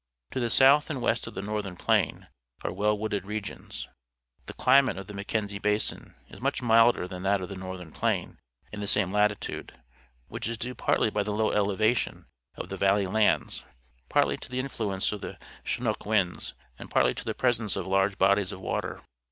To the south and west of the Northern Plain are well wooded regions. The cUmate of the Mackenzie Basin is much milder than that of the Northern Plain in the^ same latitude, which is due partly to the low elevation of the valley lands, partly to the influence of the Chinook winds, and partly to the presence of large bodies of water.